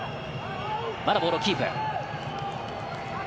まだボールをキープ。